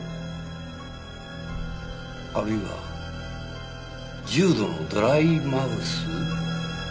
あるいは重度のドライマウス。